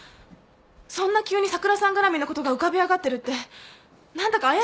そんな急に咲良さんがらみのことが浮かび上がってるって何だか怪しいんです。